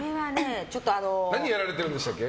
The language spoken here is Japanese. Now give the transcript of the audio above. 何やられてるんでしたっけ？